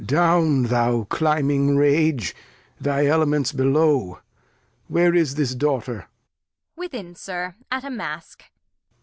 Down climbing Rage ; Thy Element's below ; where is this Daughter